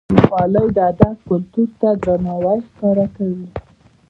خولۍ د ادب کلتور ته درناوی ښکاره کوي.